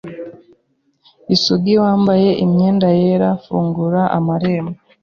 Isugi wambaye imyenda yera Fungura amarembo